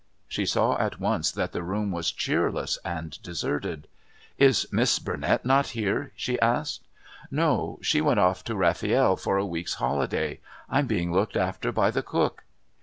She saw at once that the room was cheerless and deserted. "Is Miss Burnett here?" she asked. "No. She went off to Rafiel for a week's holiday. I'm being looked after by the cook."